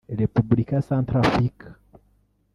Repubulika ya Centrafrique